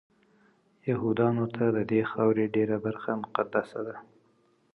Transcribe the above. یهودانو ته ددې خاورې ډېره برخه مقدسه ده.